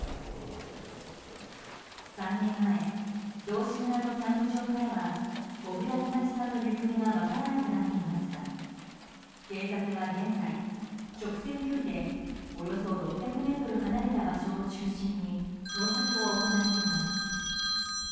３年前道志村のキャンプ場からは小倉美咲さんの行方が分からなくなっていますが警察は、現在直線距離でおよそ６００ｍ離れた場所を中心に捜索を行っています。